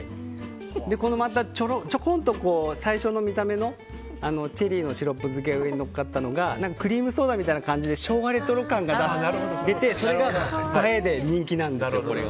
また、ちょこんと最初の見た目のチェリーのシロップ漬けが上にのっかったのがクリームソーダみたいな感じで昭和レトロ感が出てそれが人気なんです。